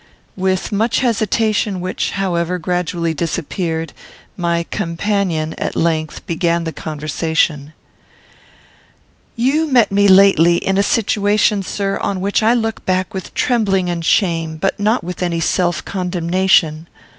With much hesitation, which, however, gradually disappeared, my companion, at length, began the conversation: "You met me lately, in a situation, sir, on which I look back with trembling and shame, but not with any self condemnation.